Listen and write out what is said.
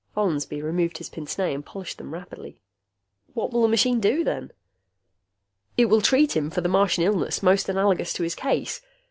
Follansby removed his pince nez and polished them rapidly. "What will the machine do, then?" "It will treat him for the Martian illness most analogous to his case.